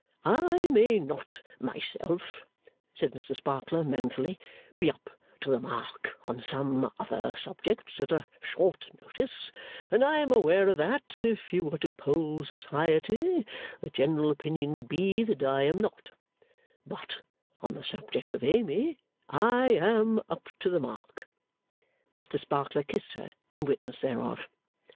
I may not myself,' said Mr Sparkler manfully, 'be up to the mark on some other subjects at a short notice, and I am aware that if you were to poll Society the general opinion would be that I am not; but on the subject of Amy I AM up to the mark!' Mr Sparkler kissed her, in witness thereof.